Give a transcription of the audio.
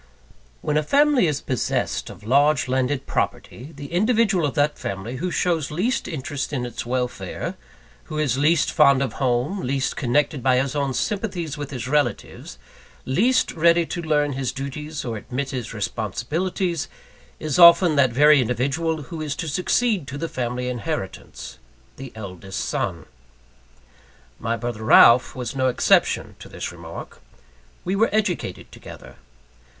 When a family is possessed of large landed property, the individual of that family who shows least interest in its welfare; who is least fond of home, least connected by his own sympathies with his relatives, least ready to learn his duties or admit his responsibilities, is often that very individual who is to succeed to the family inheritance the eldest son. My brother Ralph was no exception to this remark. We were educated together.